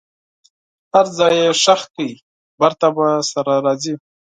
هر ځای یې ښخ کړئ بیرته به سره راځي.